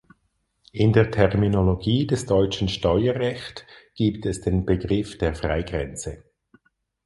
In der Terminologie des deutschen Steuerrecht gibt es den Begriff der Freigrenze.